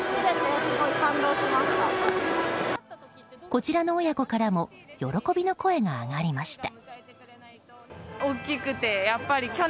こちらの親子からも喜びの声が上がりました。